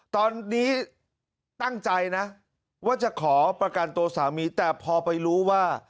ตอนนี้ตั้งใจนะว่าจะขอประกันตัวสามีแต่พอไปรู้ว่า